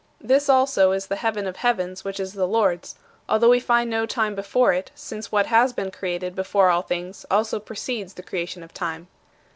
This also is the "heaven of heavens" which is the Lord's although we find no time before it, since what has been created before all things also precedes the creation of time.